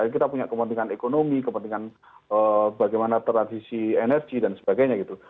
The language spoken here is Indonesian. kita punya kepentingan ekonomi kepentingan bagaimana tradisi energi dan sebagainya gitu